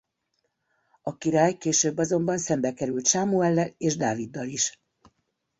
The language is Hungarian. A király később azonban szembekerült Sámuellel és Dáviddal is.